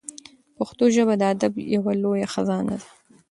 پښتو ژبه د ادب یوه لویه خزانه ده.